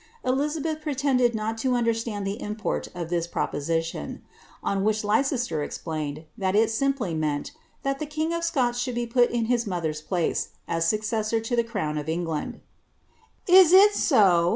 Elizabeth pretended not to unit stand the import of this proposition ; on which Leicester explained, tt it simply meant, that the king of Scots should be put ia his motbe place, as successor to the crown of England. " Is it so